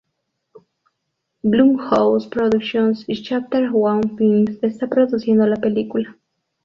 Blumhouse Productions y Chapter One Films están produciendo la película.